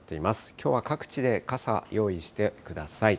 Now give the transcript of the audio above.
きょうは各地で傘、用意してください。